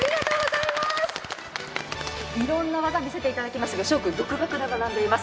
いろんな技を見せていただきましたが翔君、独学で学んでいます。